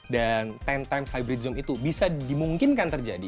dan sepuluh x hybrid zoom itu bisa dimungkinkan terjadi